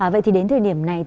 vậy thì đến thời điểm này